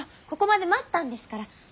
ここまで待ったんですから。